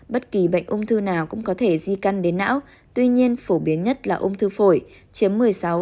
bất kỳ bệnh ung thư nào cũng có thể di căn đến não tuy nhiên phổ biến nhất là ung thư phổi chiếm một mươi sáu